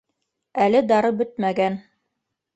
Әле дары бөтмәгән